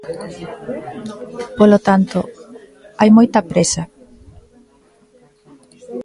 Polo tanto, hai moita présa.